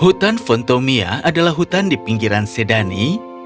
hutan fontomia adalah hutan di pinggiran sedani